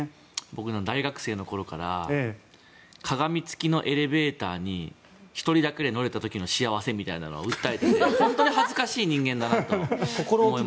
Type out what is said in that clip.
僕の大学生の頃から鏡付きのエレベーターに１人だけで乗れた時の幸せを訴えてて本当に恥ずかしい人間だなと。